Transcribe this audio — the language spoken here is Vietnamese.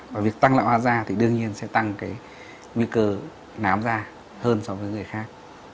và việc tăng lão hóa da thì đương nhiên sẽ tăng nguy cơ nám da hơn so với người khác